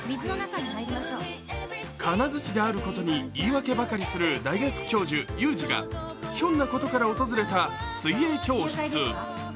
カナヅチであることに言い訳ばかりする大学教授・雄司がひょんなことから訪れた水泳教室。